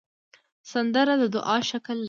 سندره د دعا شکل لري